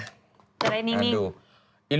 จะได้นิ่ง